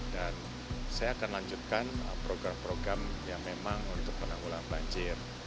dan saya akan lanjutkan program program yang memang untuk penanggulangan banjir